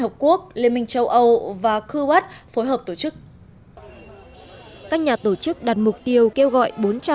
hợp quốc liên minh châu âu và kuwait phối hợp tổ chức các nhà tổ chức đặt mục tiêu kêu gọi bốn trăm ba mươi bốn